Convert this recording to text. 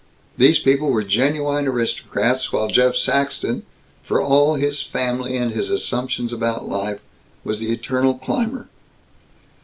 These people were genuine aristocrats, while Jeff Saxton, for all his family and his assumptions about life, was the eternal climber.